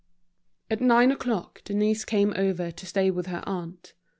At nine o'clock Denise came over to stay with her aunt.